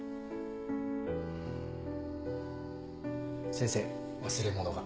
先生忘れ物が。